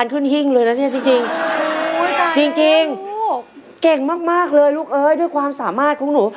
เก่งมากเลยลูกเอ๋ยด้วยความสามารถของหนู